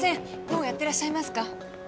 もうやってらっしゃいますか？